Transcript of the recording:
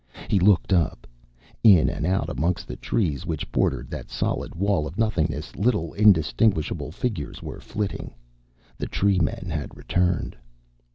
He looked up. In and out among the trees which bordered that solid wall of nothingness little, indistinguishable figures were flitting. The tree men had returned.